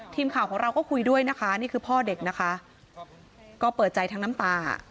ทีมข่าวของเราก็คุยด้วยนะคะนี่คือพ่อเด็กนะคะก็เปิดใจทั้งน้ำตา